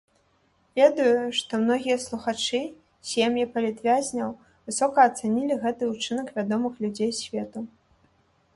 Ведаю, што многія слухачы, сем'і палітвязняў высока ацанілі гэты ўчынак вядомых людзей свету.